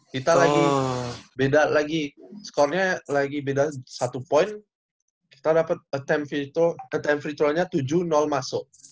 kita lagi beda lagi skornya lagi beda satu poin kita dapet attempt free throw attempt free throw nya tujuh masuk